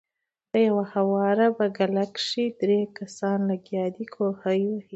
پۀ يوه هواره بګله کښې درې کسان لګيا دي کوهے وهي